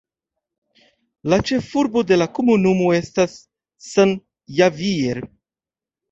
La ĉefurbo de la komunumo estas San Javier.